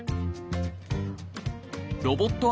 ロボット